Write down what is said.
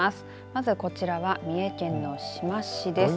まずこちらが三重県の志摩市です。